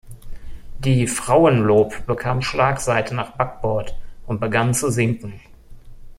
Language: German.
Die "Frauenlob" bekam Schlagseite nach Backbord und begann zu sinken.